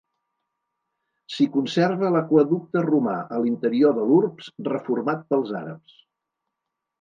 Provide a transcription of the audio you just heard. S'hi conserva l'aqüeducte romà, a l'interior de l'urbs, reformat pels àrabs.